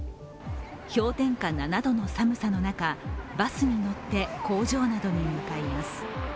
氷点下７度の寒さの中バスに乗って工場などに向かいます。